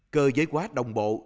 cơ giới hóa đồng bộ